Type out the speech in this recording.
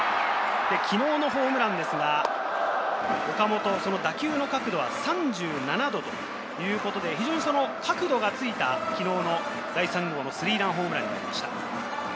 昨日のホームランですが、岡本、その打球の角度は３７度ということで非常に角度がついた昨日の第３号のスリーランホームランでした。